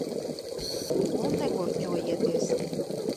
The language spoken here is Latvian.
Un negurķojieties.